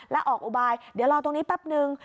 แล้วออกอุบายเดี๋ยวรอตรงนี้แป๊บนึง